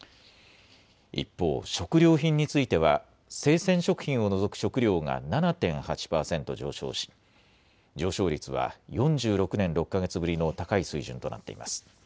一方、食料品については生鮮食品を除く食料が７．８％上昇し上昇率は４６年６か月ぶりの高い水準となっています。